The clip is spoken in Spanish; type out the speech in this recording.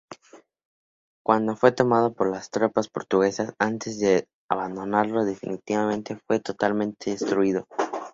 Cuando fue tomado por las tropas portuguesas, antes de abandonarlo definitivamente fue totalmente destruido.